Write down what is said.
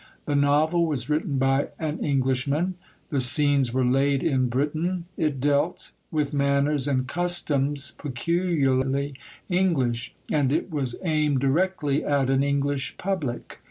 The novel was written by an Englishman, the scenes were laid in Britain, it dealt with manners and customs peculiarly English, and it was aimed directly at an English public.